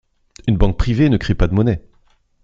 Une banque privée ne crée pas de monnaie.